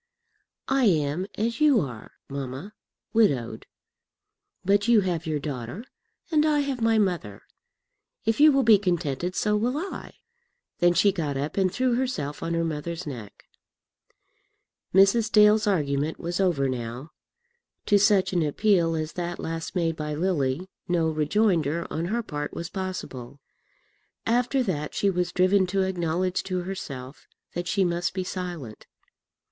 I am as you are, mamma, widowed. But you have your daughter, and I have my mother. If you will be contented, so will I." Then she got up and threw herself on her mother's neck. Mrs. Dale's argument was over now. To such an appeal as that last made by Lily no rejoinder on her part was possible. After that she was driven to acknowledge to herself that she must be silent.